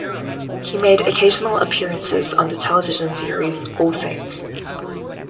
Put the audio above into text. He made occasional appearances on the television series "All Saints".